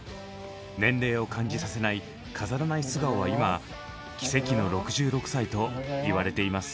年齢を感じさせない飾らない素顔は今「奇跡の６６歳」と言われています。